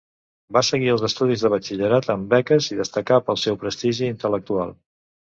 Va seguir els estudis de batxillerat amb beques, i destacà pel seu prestigi intel·lectual.